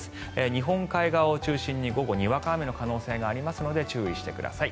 日本海側を中心に午後にわか雨の可能性がありますので注意してください。